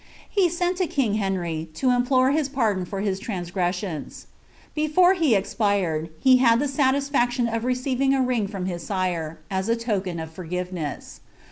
lie aent to king Uenry, to implore his pardon for his trane^reasionf. itfan he expired, he had the saiisfHction of receiving a rin^' frnm his , m. as * token of forgiveness.